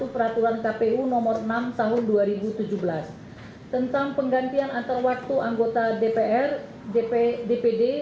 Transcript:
peraturan kpu nomor enam tahun dua ribu tujuh belas tentang penggantian antar waktu anggota dpr dpd